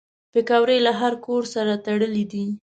پکورې له هر کور سره تړلي دي